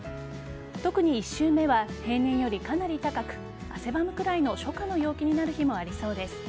特に１週目は平年よりかなり高く汗ばむくらいの初夏の陽気になる日もありそうです。